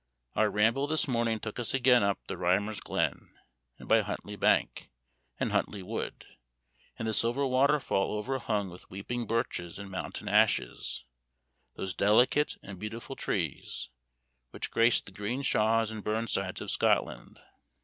Our ramble this morning took us again up the Rhymer's Glen, and by Huntley Bank, and Huntley Wood, and the silver waterfall overhung with weeping birches and mountain ashes, those delicate and beautiful trees which grace the green shaws and burnsides of Scotland.